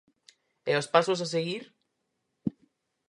E os pasos a seguir?